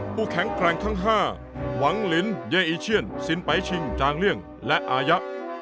ผู้แข่งแกร่งทั้งห้าหวังลิ้นเยอีเชียนศิลปะชิงจากล่างร่างเลี่ยนและอายักษ์